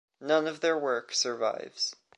None of their work survives.